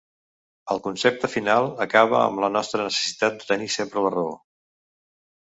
El concepte final acaba amb la nostra necessitat de tenir sempre la raó.